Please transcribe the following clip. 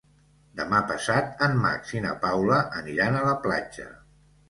Demà passat en Max i na Paula aniran a la platja.